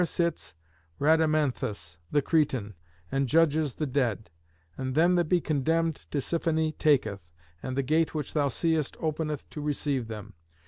There sits Rhadamanthus the Cretan, and judges the dead. And them that be condemned Tisiphone taketh, and the gate which thou seest openeth to receive them.